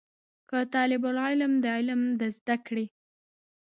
که طالب العلم د علم د زده کړې